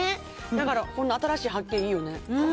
だからこんな新しい発見いいよね。